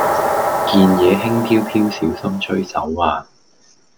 件野輕飄飄小心吹走呀